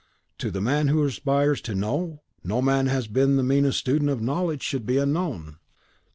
"To the man who aspires to know, no man who has been the meanest student of knowledge should be unknown.